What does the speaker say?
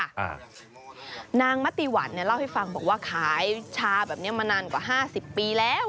นางมติวันเนี่ยเล่าให้ฟังบอกว่าขายชาแบบเนี้ยมานานกว่าห้าสิบปีแล้ว